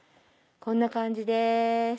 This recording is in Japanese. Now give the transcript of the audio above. こんな感じです。